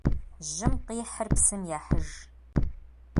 Жьым къихьыр псым ехьыж.